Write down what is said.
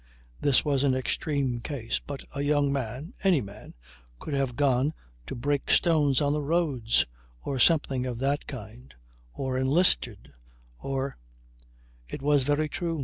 This was an extreme case. But a young man any man could have gone to break stones on the roads or something of that kind or enlisted or " It was very true.